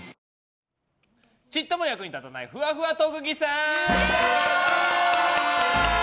ちっとも役に立たないふわふわ特技さん。